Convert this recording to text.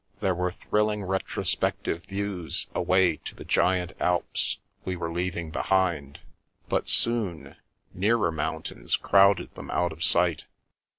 There were thrilling retrospective views away to the giant Alps we were leaving behind, but soon, nearer mountains crowded them out of sight.